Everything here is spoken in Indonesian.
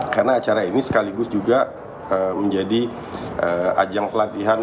karena acara ini sekaligus juga menjadi ajang pelatihan